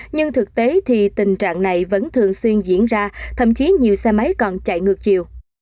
nhưng thực tế thì tình trạng này vẫn thường xuyên diễn ra thậm chí nhiều xe máy còn chạy ngược chiều